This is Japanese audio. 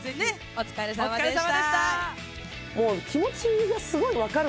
お疲れさまでした。